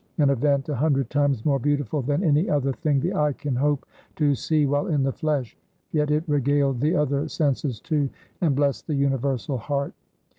An event a hundred times more beautiful than any other thing the eye can hope to see while in the flesh, yet it regaled the other senses, too, and blessed the universal heart.